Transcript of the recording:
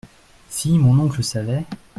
Si mon oncle savait !…